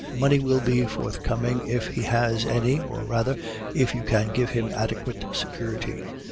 Money will be forthcoming if he has any, or rather, if you can give him adequate security.